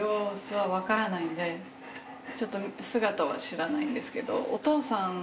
ちょっと姿は知らないんですけど。